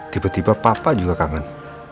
tiba tiba papa juga kangen